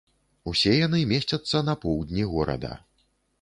Усе яны месцяцца на поўдні горада.